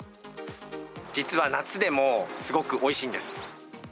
実は夏でもすごくおいしいんです。